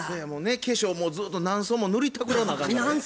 化粧もうずっと何層も塗りたくらなあかんからね。